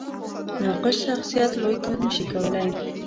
ناقص شخصیت لوی کار نه شي کولی.